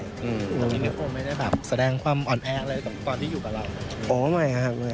ตอนนี้เขาไม่ได้แบบแสดงความอ่อนแพ้อะไรตอนที่อยู่กับเรา